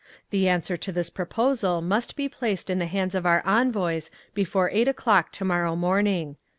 The answer to this proposal must be placed in the hands of our envoys before eight o'clock to morrow morning.